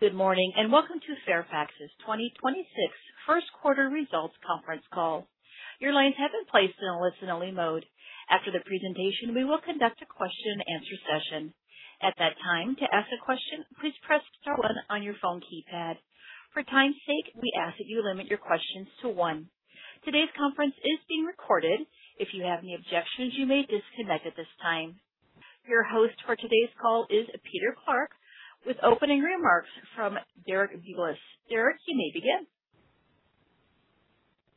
Good morning, and welcome to Fairfax's 2026 first quarter results conference call. Your lines have been placed in a listen-only mode. After the presentation, we will conduct a question and answer session. At that time, to ask a question, please press star one on your phone keypad. For time's sake, we ask that you limit your questions to one. Today's conference is being recorded. If you have any objections, you may disconnect at this time. Your host for today's call is Peter Clarke, with opening remarks from Derek Bulas. Derek, you may begin.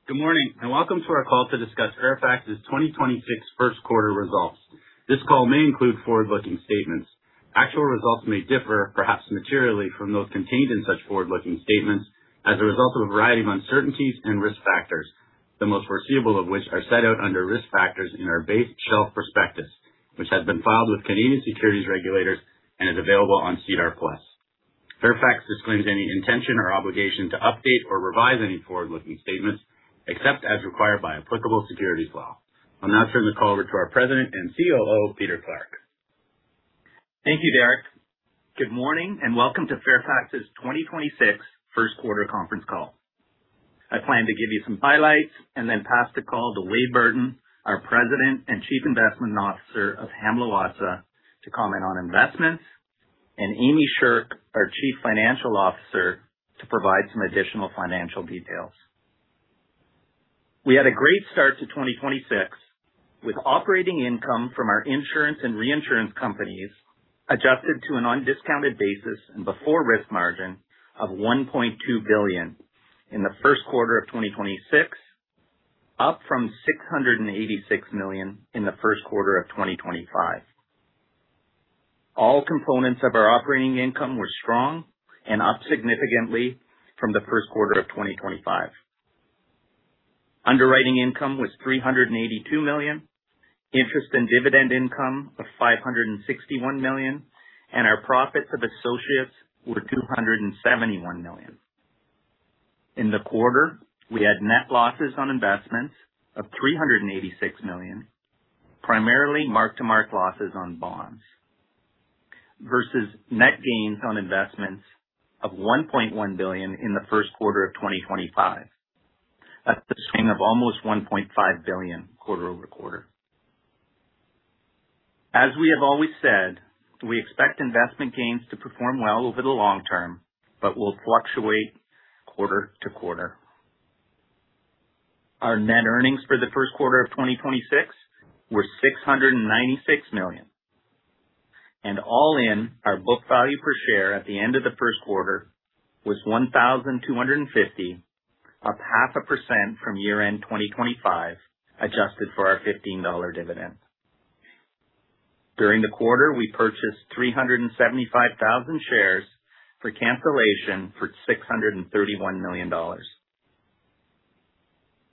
Good morning, welcome to our call to discuss Fairfax's 2026 first quarter results. This call may include forward-looking statements. Actual results may differ, perhaps materially, from those contained in such forward-looking statements as a result of a variety of uncertainties and risk factors, the most foreseeable of which are set out under Risk Factors in our base shelf prospectus, which has been filed with Canadian securities regulators and is available on SEDAR+. Fairfax disclaims any intention or obligation to update or revise any forward-looking statements except as required by applicable securities law. I'll now turn the call over to our President and COO, Peter Clarke. Thank you, Derek. Good morning and welcome to Fairfax's 2026 first quarter conference call. I plan to give you some highlights and then pass the call to Wade Burton, our President and Chief Investment Officer of Hamblin Watsa, to comment on investments, and Amy Sherk, our Chief Financial Officer, to provide some additional financial details. We had a great start to 2026, with operating income from our insurance and reinsurance companies adjusted to an undiscounted basis and before risk margin of 1.2 billion in the first quarter of 2026, up from 686 million in the first quarter of 2025. All components of our operating income were strong and up significantly from the first quarter of 2025. Underwriting income was 382 million, interest and dividend income of 561 million, and our profits of associates were 271 million. In the quarter, we had net losses on investments of 386 million, primarily mark-to-market losses on bonds versus net gains on investments of 1.1 billion in the first quarter of 2025. That's a swing of almost 1.5 billion quarter-over-quarter. As we have always said, we expect investment gains to perform well over the long term but will fluctuate quarter to quarter. Our net earnings for the first quarter of 2026 were 696 million. All in, our book value per share at the end of the first quarter was 1,250, up 0.5% from year-end 2025, adjusted for our 15 dollar dividend. During the quarter, we purchased 375,000 shares for cancellation for 631 million dollars.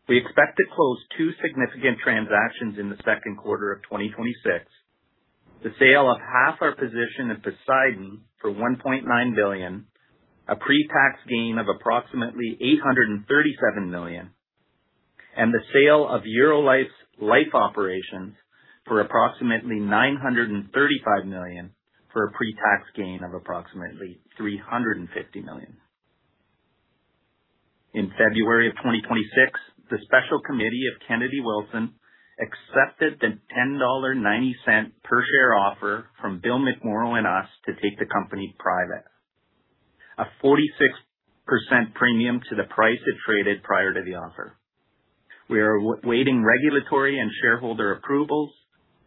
We expect to close two significant transactions in the second quarter of 2026. The sale of half our position at Poseidon for 1.9 billion, a pre-tax gain of approximately 837 million, and the sale of Eurolife's life operations for approximately 935 million for a pre-tax gain of approximately 350 million. In February of 2026, the special committee of Kennedy Wilson accepted the 10.90 dollar per share offer from Bill McMorrow and us to take the company private, a 46% premium to the price it traded prior to the offer. We are waiting regulatory and shareholder approvals.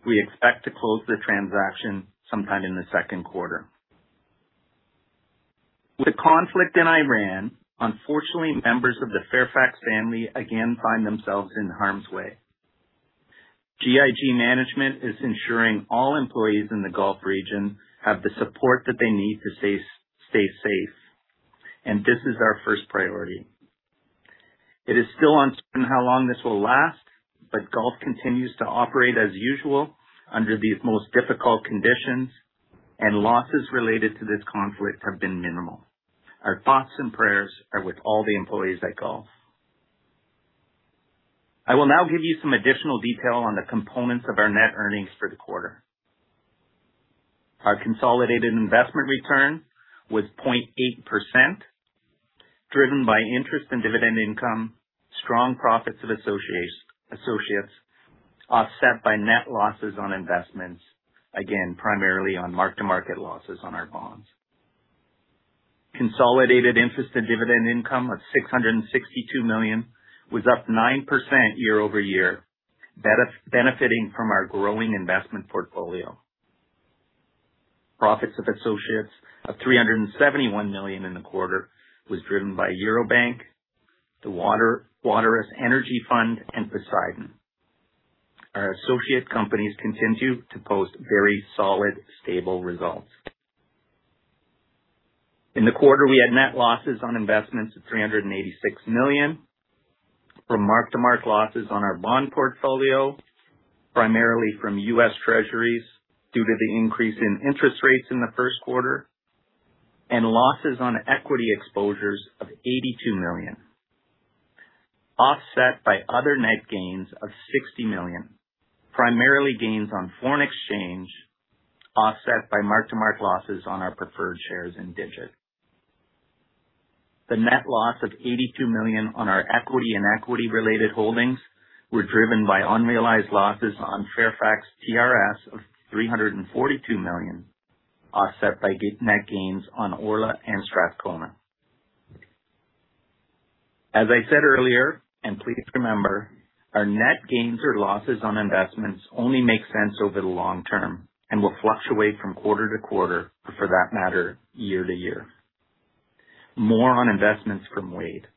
We expect to close the transaction sometime in the second quarter. With conflict in Iran, unfortunately, members of the Fairfax family again find themselves in harm's way. GIG management is ensuring all employees in the Gulf region have the support that they need to stay safe. This is our first priority. It is still uncertain how long this will last. Gulf continues to operate as usual under these most difficult conditions. Losses related to this conflict have been minimal. Our thoughts and prayers are with all the employees at Gulf. I will now give you some additional detail on the components of our net earnings for the quarter. Our consolidated investment return was 0.8%, driven by interest and dividend income, strong profits of associates, offset by net losses on investments, again, primarily on mark-to-market losses on our bonds. Consolidated interest and dividend income of 662 million was up 9% year-over-year, benefiting from our growing investment portfolio. Profits of associates of $371 million in the quarter was driven by Eurobank, the Waterous Energy Fund, and Poseidon. Our associate companies continue to post very solid, stable results. In the quarter, we had net losses on investments of 386 million from mark-to-market losses on our bond portfolio, primarily from U.S. Treasuries due to the increase in interest rates in the first quarter, and losses on equity exposures of 82 million. Offset by other net gains of 60 million, primarily gains on foreign exchange, offset by mark-to-market losses on our preferred shares in Digit. The net loss of 82 million on our equity and equity-related holdings were driven by unrealized losses on Fairfax TRS of 342 million, offset by net gains on Orla and Strathcona. As I said earlier, and please remember, our net gains or losses on investments only make sense over the long term and will fluctuate from quarter to quarter, or for that matter, year to year. More on investments from Wade.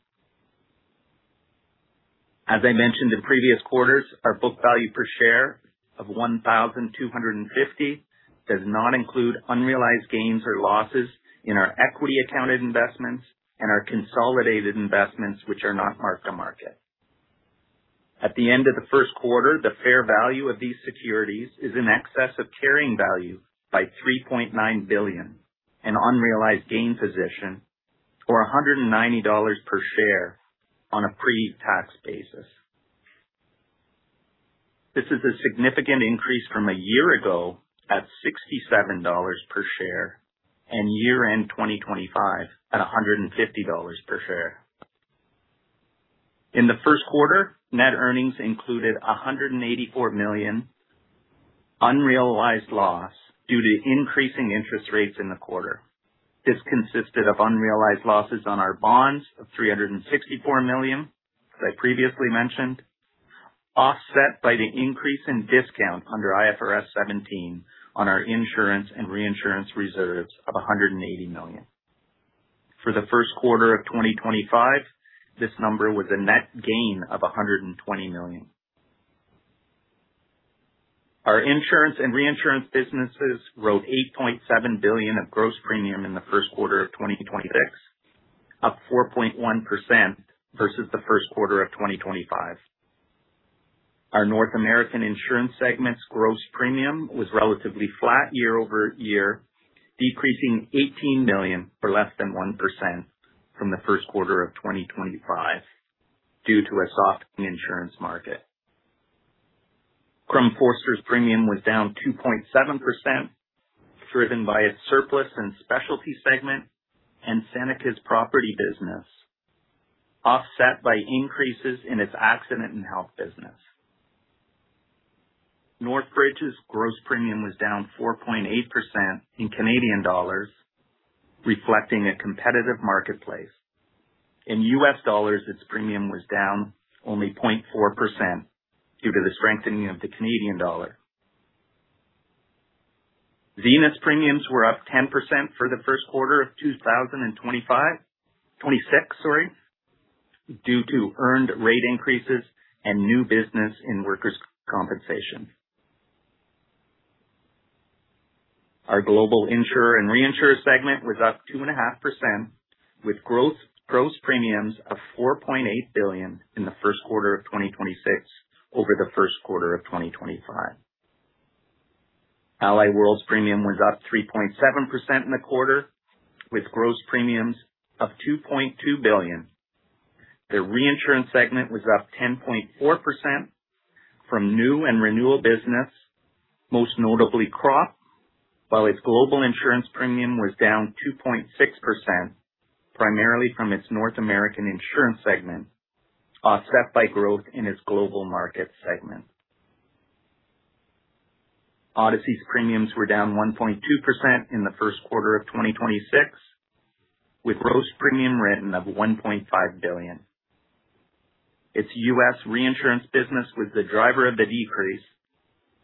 As I mentioned in previous quarters, our book value per share of 1,250 does not include unrealized gains or losses in our equity accounted investments and our consolidated investments, which are not mark to market. At the end of the first quarter, the fair value of these securities is in excess of carrying value by 3.9 billion in unrealized gain position or 190 dollars per share on a pre-tax basis. This is a significant increase from a year ago at 67 dollars per share and year-end 2025 at 150 dollars per share. In the first quarter, net earnings included a 184 million unrealized loss due to increasing interest rates in the quarter. This consisted of unrealized losses on our bonds of 364 million, as I previously mentioned, offset by the increase in discount under IFRS 17 on our insurance and reinsurance reserves of $180 million. For the first quarter of 2025, this number was a net gain of 120 million. Our insurance and reinsurance businesses wrote 8.7 billion of gross premium in the first quarter of 2026, up 4.1% versus the first quarter of 2025. Our North American Insurance segment's gross premium was relatively flat year-over-year, decreasing 18 million, or less than 1% from the first quarter of 2025 due to a softening insurance market. Crum & Forster's premium was down 2.7%, driven by its surplus and specialty segment and Seneca's property business, offset by increases in its accident and health business. Northbridge's gross premium was down 4.8% in CAD, reflecting a competitive marketplace. In US dollar, its premium was down only 0.4% due to the strengthening of the Canadian dollar. Zenith Premiums were up 10% for the first quarter of 2026 due to earned rate increases and new business in workers' compensation. Our global insurer and reinsurer segment was up 2.5%, with gross premiums of 4.8 billion in the first quarter of 2026 over the first quarter of 2025. Allied World's premium was up 3.7% in the quarter, with gross premiums of 2.2 billion. Their reinsurance segment was up 10.4% from new and renewal business, most notably crop. While its global insurance premium was down 2.6%, primarily from its North American insurance segment, offset by growth in its global market segment. Odyssey's premiums were down 1.2% in the first quarter of 2026, with gross premium written of 1.5 billion. Its U.S. reinsurance business was the driver of the decrease,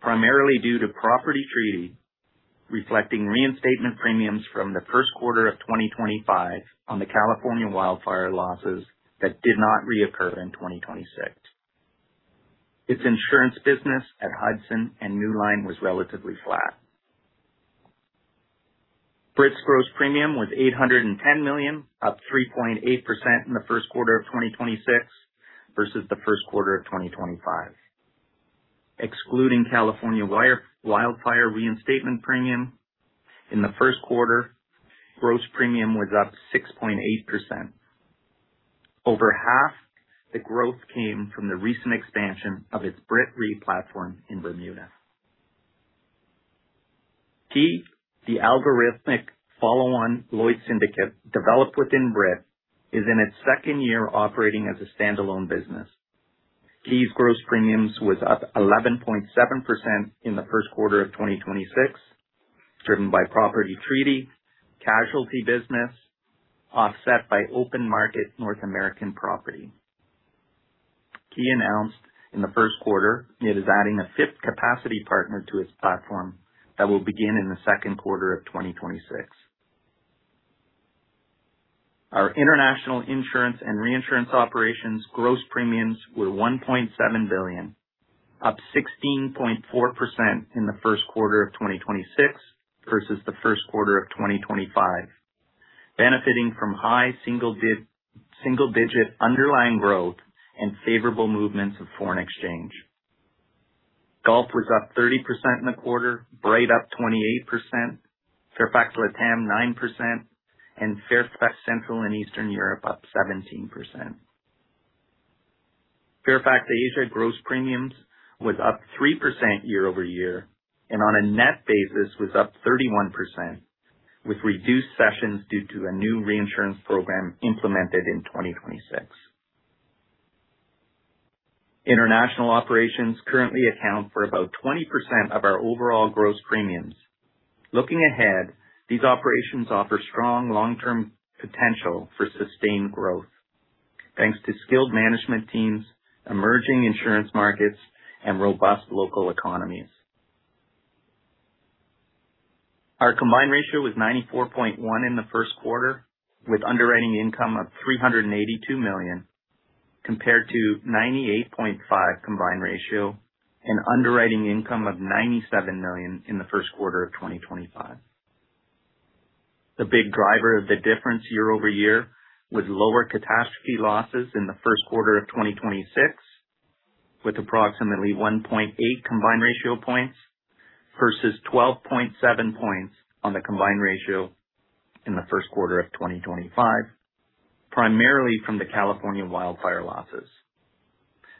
primarily due to property treaty, reflecting reinstatement premiums from the first quarter of 2025 on the California wildfire losses that did not reoccur in 2026. Its insurance business at Hudson and Newline was relatively flat. Brit's gross premium was 810 million, up 3.8% in the first quarter of 2026 versus the first quarter of 2025. Excluding California wildfire reinstatement premium in the first quarter, gross premium was up 6.8%. Over half the growth came from the recent expansion of its Brit Re platform in Bermuda. Ki, the algorithmic follow-on Lloyd's syndicate developed within Brit, is in its second year operating as a standalone business. Ki's gross premiums was up 11.7% in the first quarter of 2026, driven by property treaty, casualty business, offset by open market North American property. Ki announced in the first quarter it is adding a fifth capacity partner to its platform that will begin in the second quarter of 2026. Our international insurance and reinsurance operations gross premiums were $1.7 billion, up 16.4% in the first quarter of 2026 versus the first quarter of 2025, benefiting from high single-digit underlying growth and favorable movements of foreign exchange. Gulf was up 30% in the quarter. Brit up 28%. Fairfax Latam 9%, and Fairfax Central and Eastern Europe up 17%. Fairfax Asia gross premiums was up 3% year-over-year, and on a net basis was up 31%, with reduced sessions due to a new reinsurance program implemented in 2026. International operations currently account for about 20% of our overall gross premiums. Looking ahead, these operations offer strong long-term potential for sustained growth thanks to skilled management teams, emerging insurance markets and robust local economies. Our combined ratio was 94.1% in the first quarter, with underwriting income of 382 million, compared to 98.5% combined ratio and underwriting income of 97 million in the first quarter of 2025. The big driver of the difference year-over-year was lower catastrophe losses in the first quarter of 2026, with approximately 1.8 combined ratio points versus 12.7 points on the combined ratio in the first quarter of 2025, primarily from the California wildfire losses.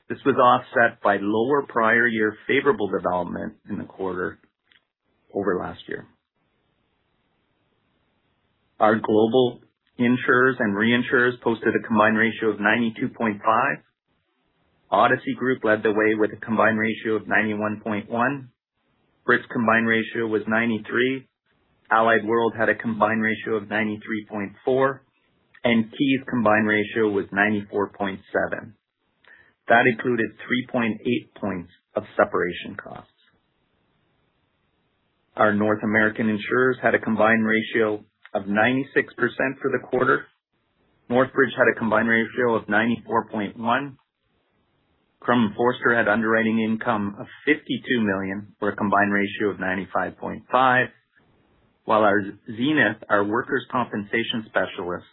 This was offset by lower prior year favorable development in the quarter over last year. Our global insurers and reinsurers posted a combined ratio of 92.5%. Odyssey Group led the way with a combined ratio of 91.1%. Brit's combined ratio was 93%. Allied World had a combined ratio of 93.4%. Ki's combined ratio was 94.7%. That included 3.8 points of separation costs. Our North American insurers had a combined ratio of 96% for the quarter. Northbridge had a combined ratio of 94.1%. Crum & Forster had underwriting income of 52 million for a combined ratio of 95.5%. While our Zenith, our workers' compensation specialist,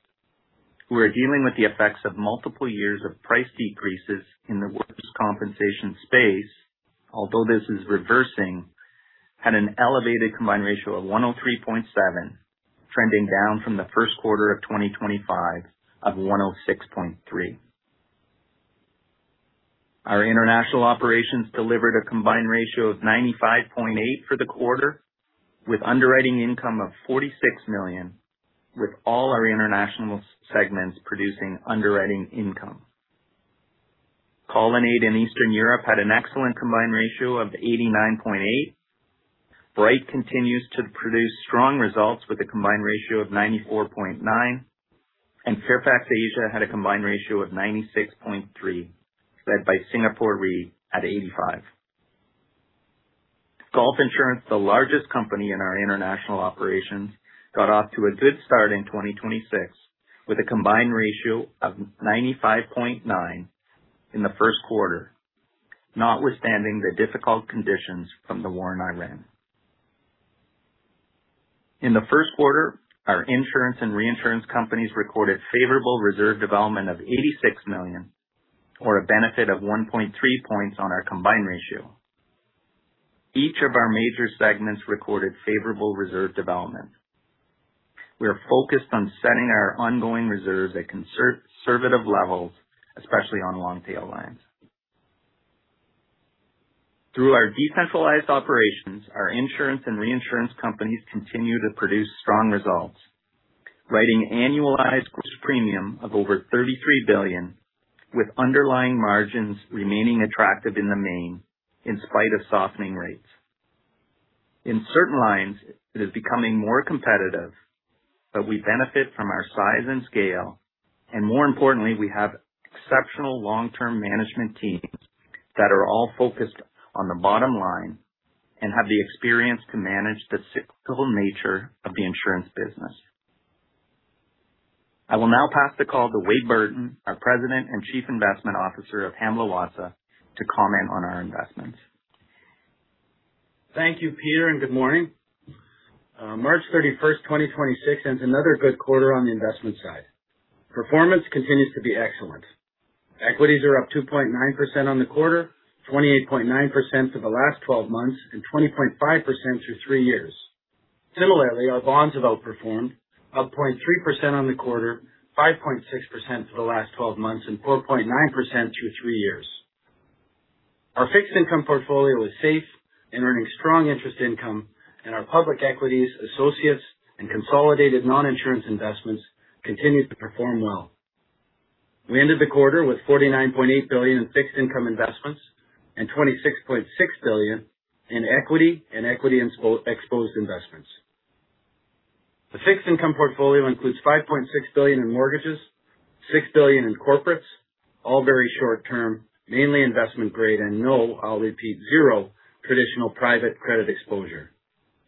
who are dealing with the effects of multiple years of price decreases in the workers' compensation space, although this is reversing, had an elevated combined ratio of 103.7%, trending down from the first quarter of 2025 of 106.3%. Our international operations delivered a combined ratio of 95.8% for the quarter, with underwriting income of 46 million, with all our international segments producing underwriting income. Colonnade in Eastern Europe had an excellent combined ratio of 89.8%. Bryte continues to produce strong results with a combined ratio of 94.9%. Fairfax Asia had a combined ratio of 96.3%, led by Singapore Re at 85%. Gulf Insurance, the largest company in our international operations, got off to a good start in 2026 with a combined ratio of 95.9% in the first quarter, notwithstanding the difficult conditions from the war in Ukraine. In the first quarter, our insurance and reinsurance companies recorded favorable reserve development of $86 million, or a benefit of 1.3 points on our combined ratio. Each of our major segments recorded favorable reserve development. We are focused on setting our ongoing reserves at conservative levels, especially on long tail lines. Through our decentralized operations, our insurance and reinsurance companies continue to produce strong results, writing annualized gross premium of over 33 billion, with underlying margins remaining attractive in the main, in spite of softening rates. In certain lines, it is becoming more competitive. We benefit from our size and scale, and more importantly, we have exceptional long-term management teams that are all focused on the bottom line and have the experience to manage the cyclical nature of the insurance business. I will now pass the call to Wade Burton, our President and Chief Investment Officer of Hamblin Watsa, to comment on our investments. Thank you, Peter. Good morning. March 31st, 2026, ends another good quarter on the investment side. Performance continues to be excellent. Equities are up 2.9% on the quarter, 28.9% for the last 12 months, and 20.5% through three years. Similarly, our bonds have outperformed up 0.3% on the quarter, 5.6% for the last 12 months, and 4.9% through three years. Our fixed income portfolio is safe and earning strong interest income, our public equities, associates, and consolidated non-insurance investments continue to perform well. We ended the quarter with 49.8 billion in fixed income investments and 26.6 billion in equity and equity exposed investments. The fixed income portfolio includes 5.6 billion in mortgages, 6 billion in corporates, all very short-term, mainly investment-grade and no, I'll repeat, zero traditional private credit exposure,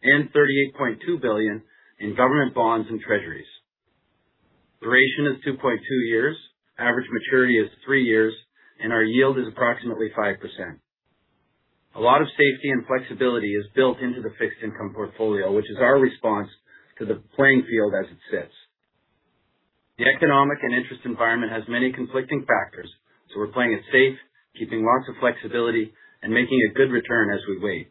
and 38.2 billion in government bonds and treasuries. Duration is 2.2 years. Average maturity is three years. Our yield is approximately 5%. A lot of safety and flexibility is built into the fixed income portfolio, which is our response to the playing field as it sits. The economic and interest environment has many conflicting factors, so we're playing it safe, keeping lots of flexibility, and making a good return as we wait.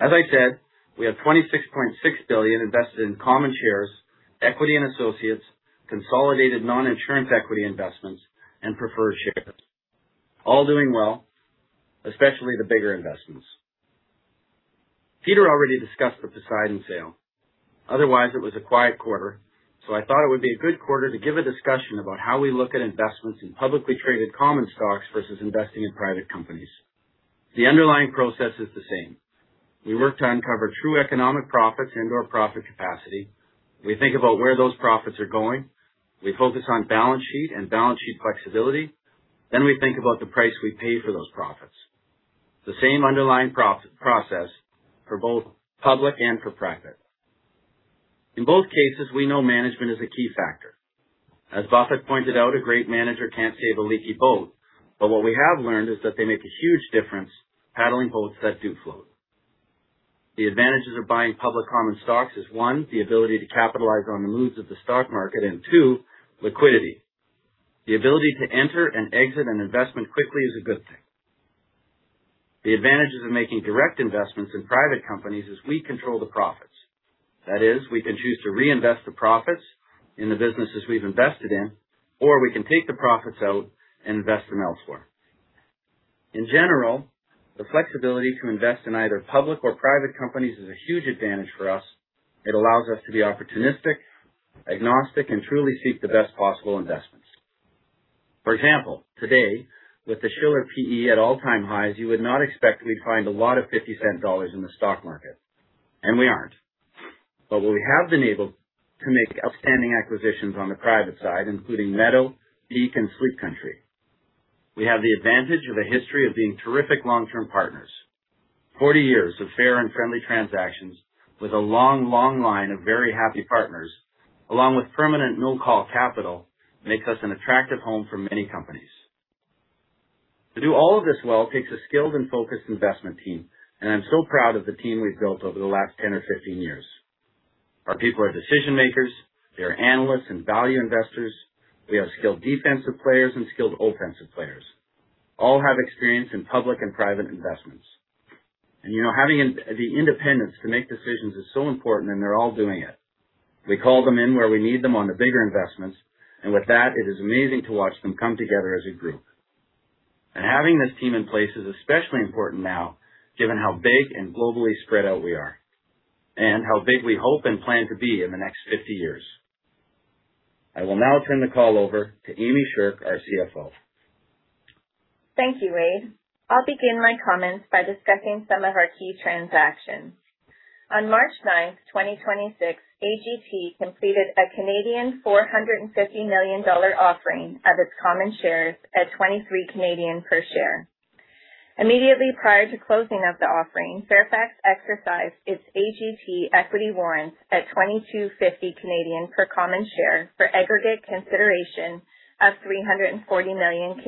As I said, we have 26.6 billion invested in common shares, equity and associates, consolidated non-insurance equity investments, and preferred shares. All doing well, especially the bigger investments. Peter already discussed the Poseidon sale. Otherwise, it was a quiet quarter, so I thought it would be a good quarter to give a discussion about how we look at investments in publicly traded common stocks versus investing in private companies. The underlying process is the same. We work to uncover true economic profits and or profit capacity. We think about where those profits are going. We focus on balance sheet and balance sheet flexibility. We think about the price we pay for those profits. The same underlying process for both public and for private. In both cases, we know management is a key factor. As Buffett pointed out, a great manager can't save a leaky boat, but what we have learned is that they make a huge difference paddling boats that do float. The advantages of buying public common stocks is one, the ability to capitalize on the moods of the stock market and two, liquidity. The ability to enter and exit an investment quickly is a good thing. The advantages of making direct investments in private companies is we control the profits. That is, we can choose to reinvest the profits in the businesses we've invested in, or we can take the profits out and invest them elsewhere. In general, the flexibility to invest in either public or private companies is a huge advantage for us. It allows us to be opportunistic, agnostic, and truly seek the best possible investments. For example, today, with the Shiller PE at all-time highs, you would not expect we'd find a lot of fifty cent dollars in the stock market, and we aren't. We have been able to make outstanding acquisitions on the private side, including Meadow, Peak, and Sleep Country. We have the advantage of a history of being terrific long-term partners. 40 years of fair and friendly transactions with a long line of very happy partners, along with permanent no call capital, makes us an attractive home for many companies. To do all of this well takes a skilled and focused investment team, and I'm so proud of the team we've built over the last 10 or 15 years. Our people are decision-makers. They are analysts and value investors. We have skilled defensive players and skilled offensive players. All have experience in public and private investments. You know, having the independence to make decisions is so important, and they're all doing it. We call them in where we need them on the bigger investments. With that, it is amazing to watch them come together as a group. Having this team in place is especially important now, given how big and globally spread out we are and how big we hope and plan to be in the next 50 years. I will now turn the call over to Amy Sherk, our CFO. Thank you, Wade. I'll begin my comments by discussing some of our key transactions. On March 9th, 2026, AGT completed a 450 million Canadian dollars offering of its common shares at 23 per share. Immediately prior to closing of the offering, Fairfax exercised its AGT equity warrants at 22.50 per common share for aggregate consideration of 340 million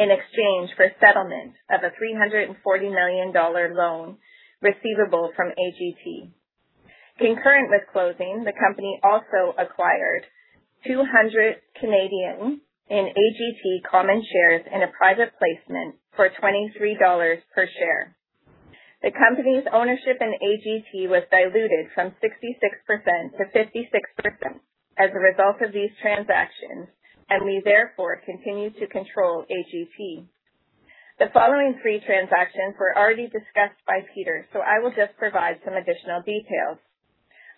in exchange for settlement of a CAD 340 million loan receivable from AGT. Concurrent with closing, the company also acquired 200 in AGT common shares in a private placement for 23 dollars per share. The company's ownership in AGT was diluted from 66%-56% as a result of these transactions, and we therefore continue to control AGT. The following three transactions were already discussed by Peter, so I will just provide some additional details.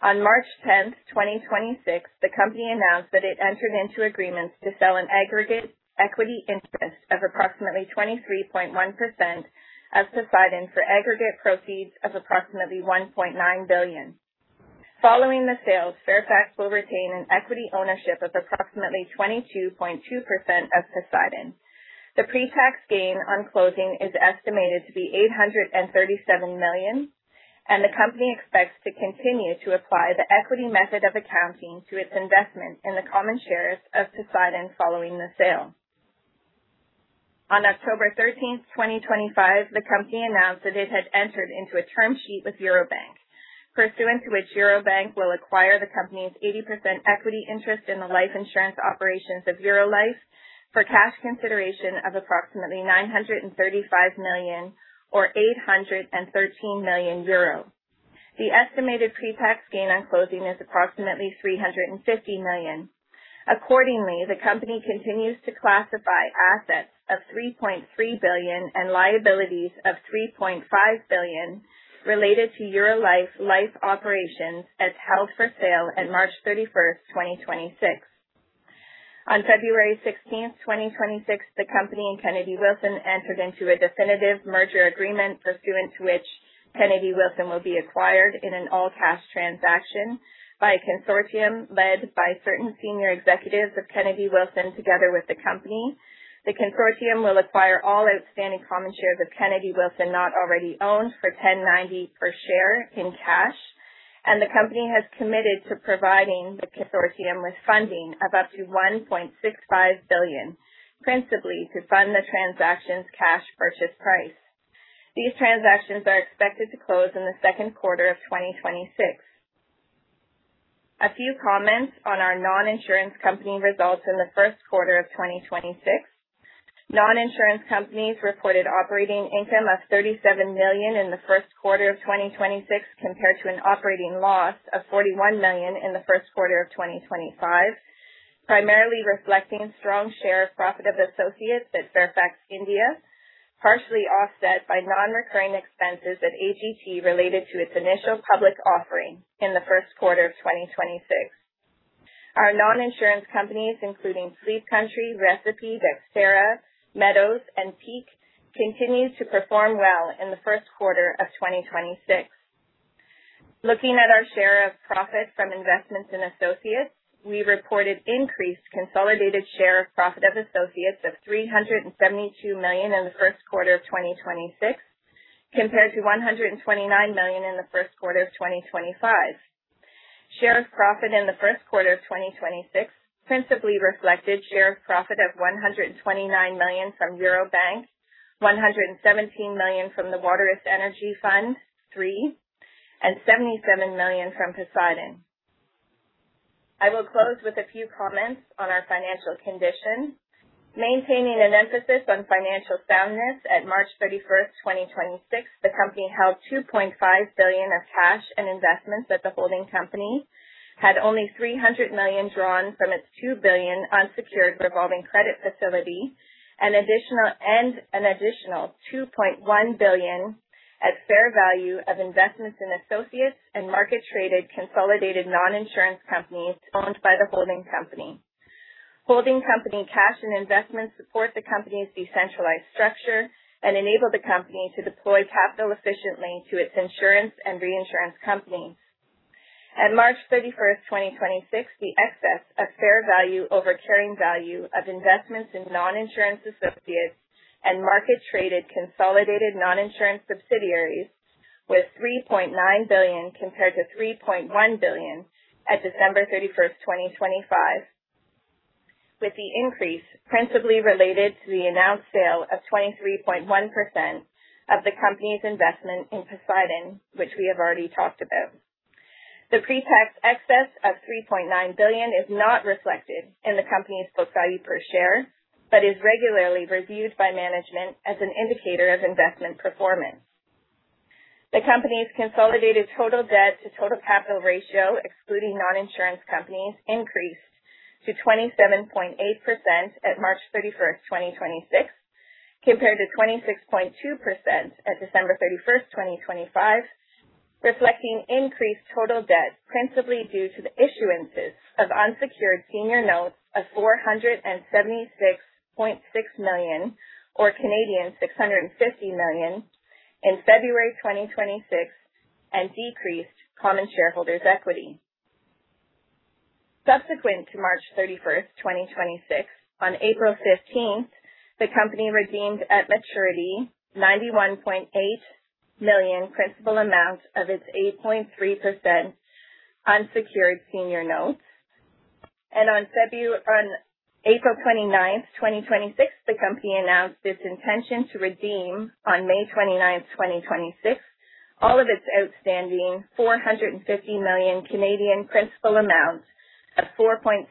On March 10, 2026, the company announced that it entered into agreements to sell an aggregate equity interest of approximately 23.1% of Poseidon for aggregate proceeds of approximately 1.9 billion. Following the sale, Fairfax will retain an equity ownership of approximately 22.2% of Poseidon. The pre-tax gain on closing is estimated to be 837 million, and the company expects to continue to apply the equity method of accounting to its investment in the common shares of Poseidon following the sale. On October 13, 2025, the company announced that it had entered into a term sheet with Eurobank, pursuant to which Eurobank will acquire the company's 80% equity interest in the life insurance operations of Eurolife for cash consideration of approximately 935 million or 813 million euro. The estimated pre-tax gain on closing is approximately 350 million. Accordingly, the company continues to classify assets of 3.3 billion and liabilities of 3.5 billion related to Eurolife life operations as held for sale at March 31, 2026. On February 16, 2026, the company and Kennedy Wilson entered into a definitive merger agreement pursuant to which Kennedy Wilson will be acquired in an all-cash transaction by a consortium led by certain senior executives of Kennedy Wilson together with the company. The consortium will acquire all outstanding common shares of Kennedy Wilson not already owned for 10.90 per share in cash. The company has committed to providing the consortium with funding of up to 1.65 billion, principally to fund the transaction's cash purchase price. These transactions are expected to close in the second quarter of 2026. A few comments on our non-insurance company results in the first quarter of 2026. Non-insurance companies reported operating income of CAD 37 million in the first quarter of 2026 compared to an operating loss of CAD 41 million in the first quarter of 2025, primarily reflecting strong share of profit of associates at Fairfax India, partially offset by non-recurring expenses at AGT related to its initial public offering in the first quarter of 2026. Our non-insurance companies, including Sleep Country, Recipe, Dexterra, Meadow and Peak, continued to perform well in the first quarter of 2026. Looking at our share of profit from investments in associates, we reported increased consolidated share of profit of associates of 372 million in the first quarter of 2026 compared to 129 million in the first quarter of 2025. Share of profit in the first quarter of 2026 principally reflected share of profit of 129 million from Eurobank, 117 million from the Waterous Energy Fund III, and 77 million from Poseidon. I will close with a few comments on our financial condition. Maintaining an emphasis on financial soundness at March 31, 2026, the company held 2.5 billion of cash and investments at the holding company, had only 300 million drawn from its 2 billion unsecured revolving credit facility, and an additional 2.1 billion at fair value of investments in associates and market-traded consolidated non-insurance companies owned by the holding company. Holding company cash and investments support the company's decentralized structure and enable the company to deploy capital efficiently to its insurance and reinsurance companies. At March 31, 2026, the excess of fair value over carrying value of investments in non-insurance associates and market-traded consolidated non-insurance subsidiaries was 3.9 billion compared to 3.1 billion at December 31, 2025, with the increase principally related to the announced sale of 23.1% of the company's investment in Poseidon, which we have already talked about. The pre-tax excess of 3.9 billion is not reflected in the company's book value per share but is regularly reviewed by management as an indicator of investment performance. The company's consolidated total debt to total capital ratio, excluding non-insurance companies, increased to 27.8% at March 31, 2026, compared to 26.2% at December 31, 2025, reflecting increased total debt principally due to the issuances of unsecured senior notes of $476.6 million or 650 million Canadian dollars in February 2026 and decreased common shareholders' equity. Subsequent to March 31, 2026, on April 15, the company redeemed at maturity $91.8 million principal amount of its 8.3% unsecured senior notes. On April 29, 2026, the company announced its intention to redeem on May 29, 2026, all of its outstanding 450 million principal amounts of 4.7%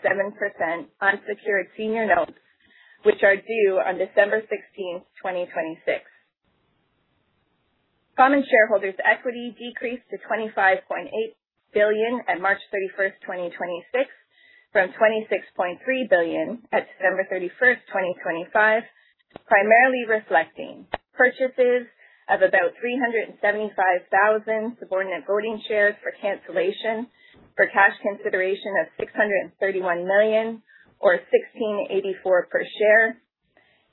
unsecured senior notes, which are due on December 16, 2026. Common shareholders' equity decreased to 25.8 billion at March 31, 2026, from CAD 26.3 billion at December 31, 2025, primarily reflecting purchases of about 375,000 subordinate voting shares for cancellation for cash consideration of 631 million or 1,684 per share,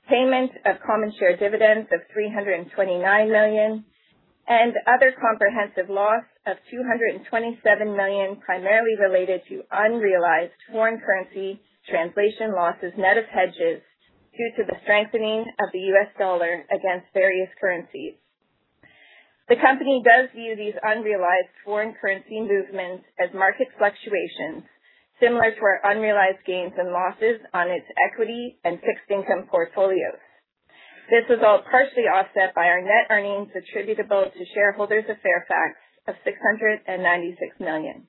payment of common share dividends of 329 million, and other comprehensive loss of 227 million, primarily related to unrealized foreign currency translation losses net of hedges due to the strengthening of the U.S. dollar against various currencies. The company does view these unrealized foreign currency movements as market fluctuations similar to our unrealized gains and losses on its equity and fixed income portfolios. This was all partially offset by our net earnings attributable to shareholders of Fairfax of 696 million.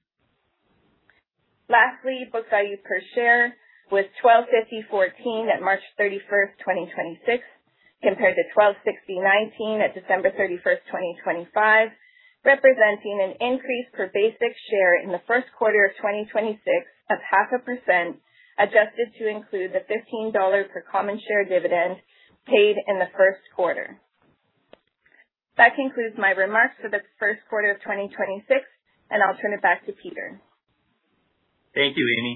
Lastly, book value per share was 12.54 at March 31, 2026, compared to 12.69 at December 31, 2025, representing an increase per basic share in the first quarter of 2026 of 0.5%, adjusted to include the 15 dollars per common share dividend paid in the first quarter. That concludes my remarks for the first quarter of 2026, and I'll turn it back to Peter Clarke. Thank you, Amy.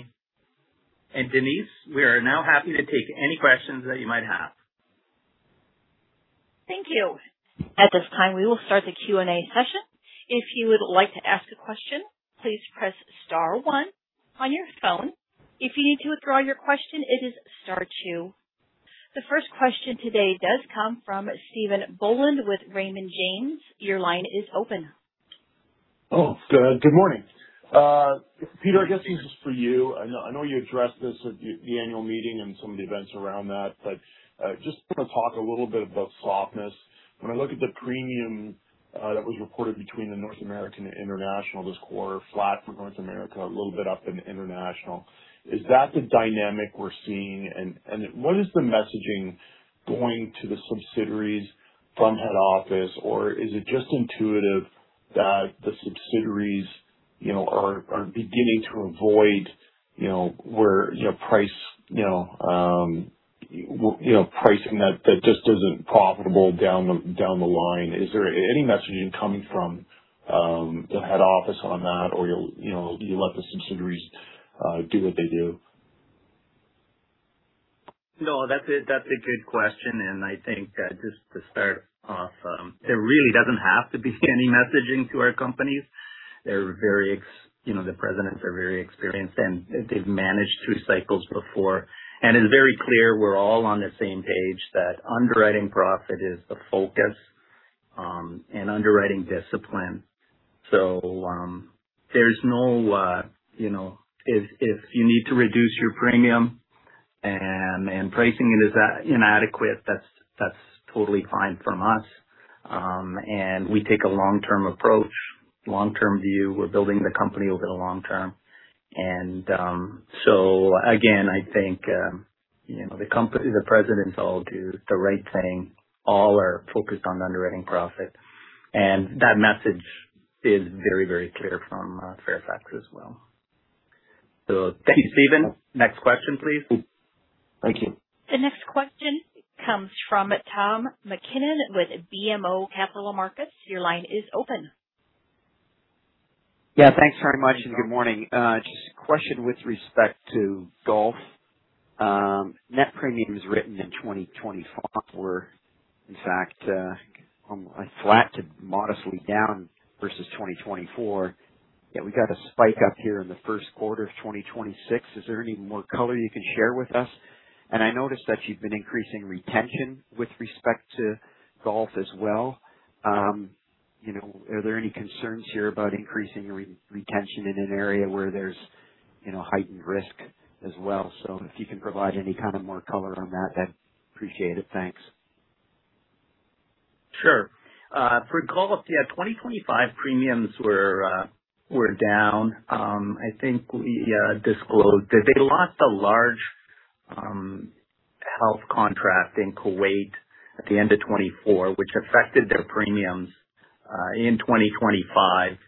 Denise, we are now happy to take any questions that you might have. Thank you. At this time, we will start the Q&A session. The first question today does come from Stephen Boland with Raymond James. Your line is open. Good morning. Peter, I guess this is for you. I know you addressed this at the annual meeting and some of the events around that. Just wanna talk a little bit about softness. When I look at the premium that was reported between the North American and international this quarter, flat for North America, a little bit up in international. Is that the dynamic we're seeing? What is the messaging going to the subsidiaries from head office? Is it just intuitive that the subsidiaries, you know, are beginning to avoid, you know, where, you know, price, you know, pricing that just isn't profitable down the line. Is there any messaging coming from the head office on that or you'll, you know, you let the subsidiaries do what they do? No, that's a good question. I think, just to start off, there really doesn't have to be any messaging to our companies. They're very experienced, and they've managed through cycles before. It's very clear we're all on the same page, that underwriting profit is the focus, and underwriting discipline. There's no, if you need to reduce your premium and pricing is inadequate, that's totally fine from us. We take a long-term approach, long-term view. We're building the company over the long term. I think, the company, the presidents all do the right thing. All are focused on underwriting profit. That message is very clear from Fairfax as well. Thank you, Stephen. Next question, please. Thank you. The next question comes from Tom MacKinnon with BMO Capital Markets. Your line is open. Yeah, thanks very much and good morning. Just a question with respect to Gulf. Net premiums written in 2025 were, in fact, flat to modestly down versus 2024. We got a spike up here in the first quarter of 2026. Is there any more color you can share with us? I noticed that you've been increasing retention with respect to Gulf as well. You know, are there any concerns here about increasing re-retention in an area where there's, you know, heightened risk as well? If you can provide any kind of more color on that, I'd appreciate it. Thanks. Sure. For Gulf, 2025 premiums were down. I think we disclosed that they lost a large health contract in Kuwait at the end of 2024, which affected their premiums in 2025.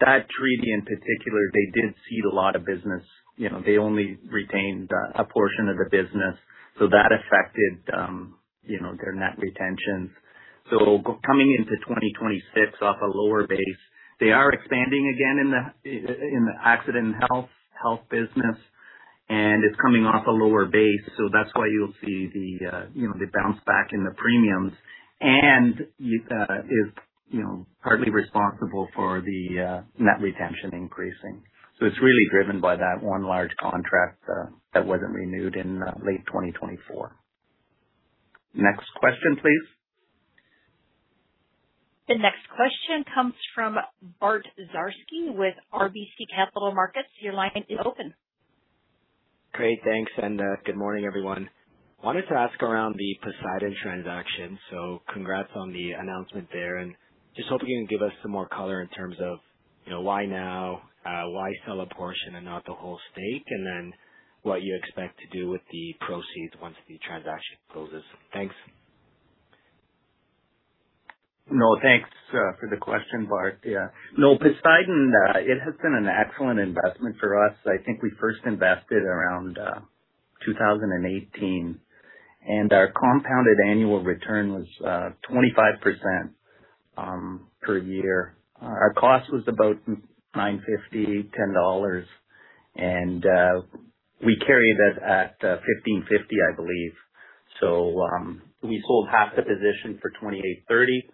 That treaty in particular, they did cede a lot of business. You know, they only retained a portion of the business. That affected, you know, their net retention. Coming into 2026 off a lower base, they are expanding again in the accident health business, and it's coming off a lower base. You know, partly responsible for the net retention increasing. It's really driven by that one large contract that wasn't renewed in late 2024. Next question, please. The next question comes from Bart Dziarski with RBC Capital Markets. Your line is open. Great. Thanks. Good morning, everyone. Wanted to ask around the Poseidon transaction. Congrats on the announcement there. Just hoping you can give us some more color in terms of, you know, why now, why sell a portion and not the whole stake, what you expect to do with the proceeds once the transaction closes. Thanks. No, thanks for the question, Bart. Yeah. Poseidon, it has been an excellent investment for us. I think we first invested around 2018, and our compounded annual return was 25% per year. Our cost was about 950 dollars, 10 dollars. We carried it at 15.50, I believe. We sold half the position for 28.30.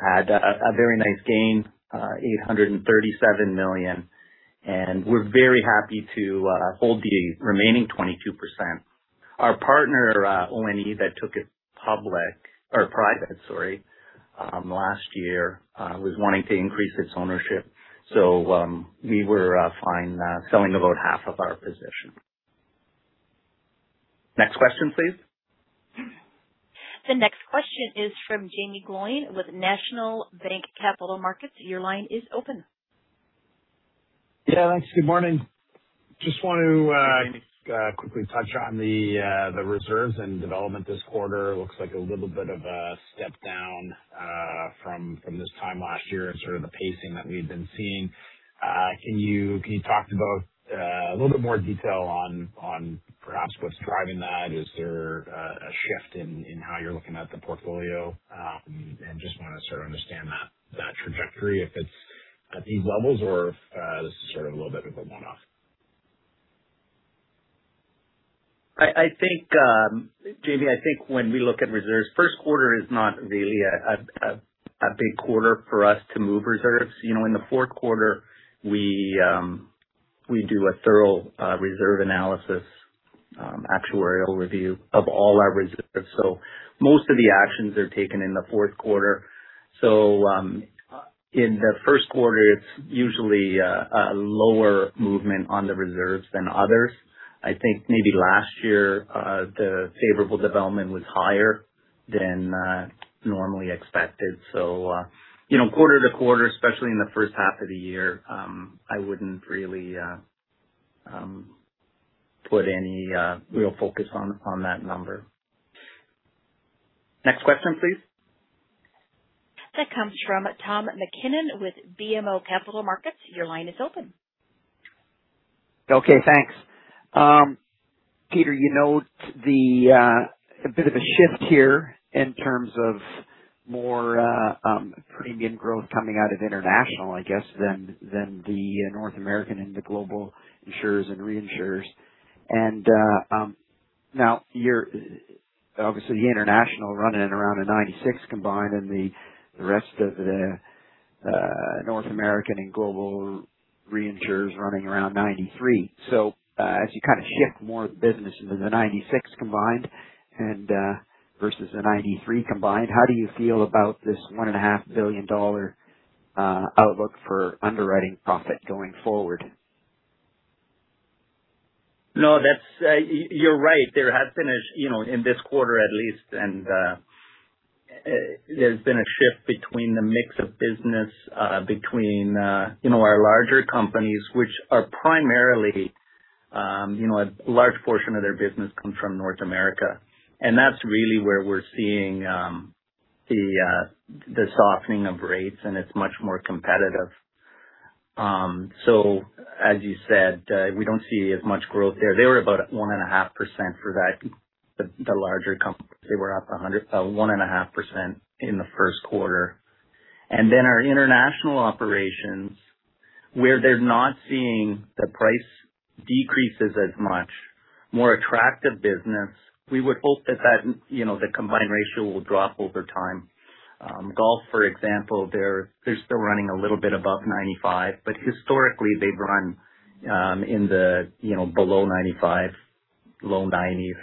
Had a very nice gain, 837 million. We're very happy to hold the remaining 22%. Our partner, O-N-E, that took it public or private, sorry, last year, was wanting to increase its ownership. We were fine selling about half of our position. Next question please. The next question is from Jaeme Gloyn with National Bank Capital Markets. Your line is open. Yeah, thanks. Good morning. Just want to quickly touch on the reserves and development this quarter. Looks like a little bit of a step down from this time last year and sort of the pacing that we've been seeing. Can you talk to both a little bit more detail on perhaps what's driving that? Is there a shift in how you're looking at the portfolio? Just wanna sort of understand that trajectory, if it's at these levels or if this is sort of a little bit of a one-off. I think, Jaeme, I think when we look at reserves, first quarter is not really a big quarter for us to move reserves. You know, in the fourth quarter, We do a thorough reserve analysis, actuarial review of all our reserves. Most of the actions are taken in the fourth quarter. In the first quarter, it's usually a lower movement on the reserves than others. I think maybe last year, the favorable development was higher than normally expected. You know, quarter to quarter, especially in the first half of the year, I wouldn't really put any real focus on that number. Next question, please. That comes from Tom MacKinnon with BMO Capital Markets. Your line is open. Okay, thanks. Peter, you note a bit of a shift here in terms of more premium growth coming out of international, I guess, than the North American and the global insurers and reinsurers. Obviously the international running at around a 96 combined and the rest of the North American and global reinsurers running around 93. As you kind of shift more of the business into the 96 combined versus the 93 combined, how do you feel about this one and a half billion dollar outlook for underwriting profit going forward? No, you're right. There has been a, you know, in this quarter at least and, there's been a shift between the mix of business, between, you know, our larger companies, which are primarily, you know, a large portion of their business comes from North America. That's really where we're seeing the softening of rates, and it's much more competitive. As you said, we don't see as much growth there. They were about 1.5% for that. The larger companies, they were up 1.5% in the first quarter. Our international operations, where they're not seeing the price decreases as much, more attractive business. We would hope that, you know, the combined ratio will drop over time. Gulf Insurance Group, for example, they're still running a little bit above 95, but historically they've run below 95, low 90s.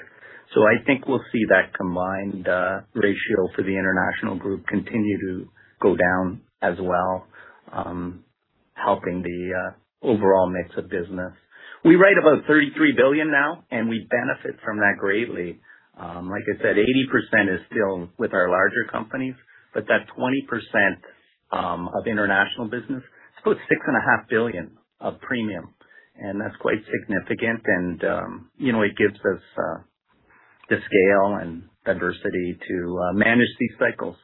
I think we'll see that combined ratio for the international group continue to go down as well, helping the overall mix of business. We write about 33 billion now and we benefit from that greatly. Like I said, 80% is still with our larger companies, but that 20% of international business, it's about 6.5 billion of premium, and that's quite significant. It gives us the scale and diversity to manage these cycles.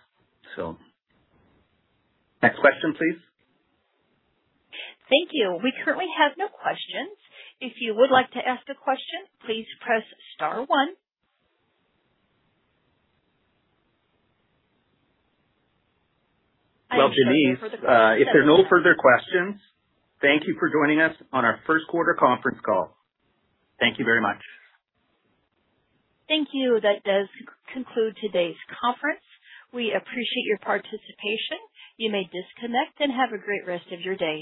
Next question, please. Thank you. We currently have no questions. If you would like to ask a question, please press star one. Denise, if there are no further questions, thank you for joining us on our first quarter conference call. Thank you very much. Thank you. That does conclude today's conference. We appreciate your participation. You may disconnect and have a great rest of your day.